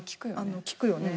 聞くよね。